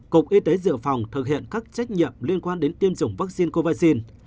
cục y tế dựa phòng thực hiện các trách nhiệm liên quan đến tiêm chủng vaccine covid một mươi chín